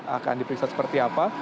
akan diperiksa seperti apa